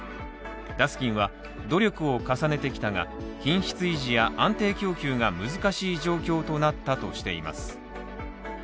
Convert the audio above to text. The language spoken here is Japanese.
ダスキンは努力を重ねてきたが、品質維持や安定供給が難しい状況となったとしています。